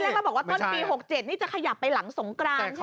พี่แรกมาบอกว่าตอนปี๖๗นี่จะขยับไปหลังสงคราญใช่ไหม